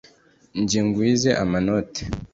Jye ngwize amanoti